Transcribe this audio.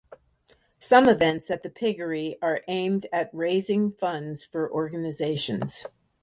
Some events at the Piggery are aimed at raising funds for organizations.